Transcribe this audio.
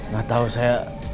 gak tahu saya